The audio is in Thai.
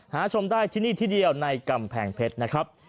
ชมได้ที่นี่ที่เดียวในกำแพงเพชรนะครับ